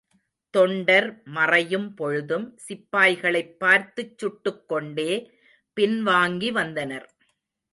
தொண்டர் மறையும் பொழுதும் சிப்பாய்களைப் பார்த்துச் சுட்டுக் கொண்டே பின்வாங்கி வந்தனர்.